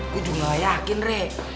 gua juga gak yakin re